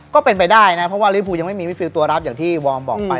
ก็เป็นไปได้นะเพราะว่าลิฟูยังไม่มีมิดฟิลตัวรับอย่างที่วอร์มบอกไป